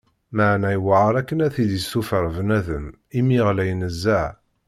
Meεna iwεer akken ad t-id-yessufeɣ bnadem imi ɣlay nezzeh.